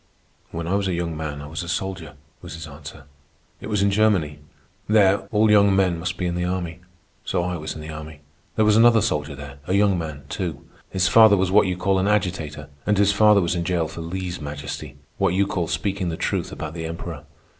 "When I was a young man I was a soldier," was his answer. "It was in Germany. There all young men must be in the army. So I was in the army. There was another soldier there, a young man, too. His father was what you call an agitator, and his father was in jail for lese majesty—what you call speaking the truth about the Emperor.